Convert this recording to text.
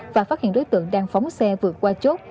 và phát hiện đối tượng đang phóng xe vượt qua chốt